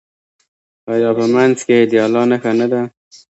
آیا په منځ کې یې د الله نښه نه ده؟